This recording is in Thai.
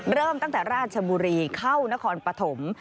เริ่มตั้งแต่ราชบุรีเข้านครปฐม